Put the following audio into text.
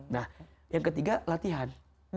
nah yang ketiga latihan